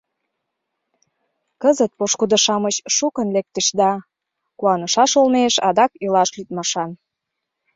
Кызыт пошкудо-шамыч шукын лектыч да... куанышаш олмеш адак илаш лӱдмашан.